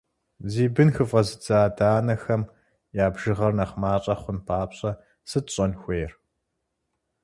Зи бын хыфӏэзыдзэ адэ-анэхэм я бжыгъэр нэхъ мащӏэ хъун папщӏэ сыт щӏэн хуейр?